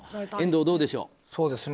遠藤、どうでしょう。